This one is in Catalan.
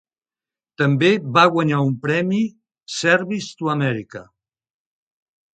També va guanyar un premi Service to America.